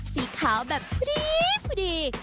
สีขาวแบบพุดี้พุดี้